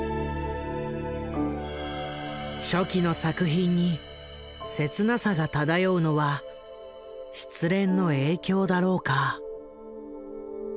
初期の作品に切なさが漂うのは失恋の影響だろうか。